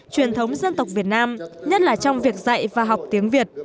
truyền thống dân tộc việt nam nhất là trong việc dạy và học tiếng việt